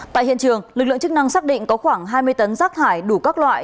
tại hiện trường lực lượng chức năng xác định có khoảng hai mươi tấn rác thải đủ các loại